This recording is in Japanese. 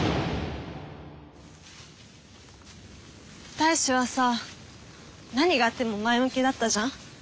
大志はさ何があっても前向きだったじゃん。